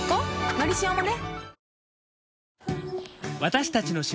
「のりしお」もね